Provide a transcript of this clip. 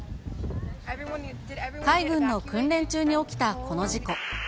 海軍の訓練中に起きたこの事故。